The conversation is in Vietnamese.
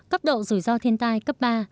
cấp độ rủi ro thiên tai cấp ba